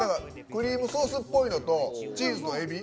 クリームソースっぽいのとチーズのエビ。